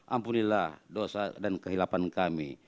ampunilah dosa dan kehilapan kami